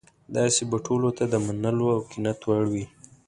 داسې به ټولو ته د منلو او قناعت وړ وي.